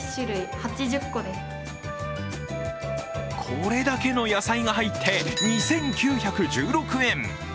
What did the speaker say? これだけの野菜が入って２９１６円。